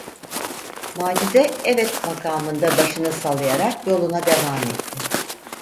Macide, evet makamında başını sallayarak yoluna devam etti.